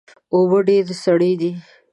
اوبه ډیرې سړې دي